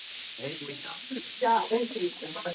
They were the only two candidates.